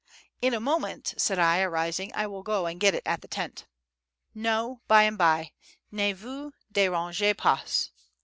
"In a moment," said I, arising, "I will go and get it at the tent." "No, by and by: ne vous derangez pas."